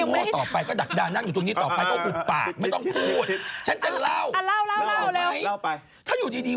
เราเคยคิดกันบ้างมั้งว่าอยู่ที่นี่